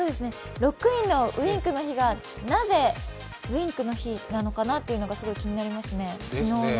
６位のウインクの日がなぜウインクの日なのかなというのがすごく気になりますね。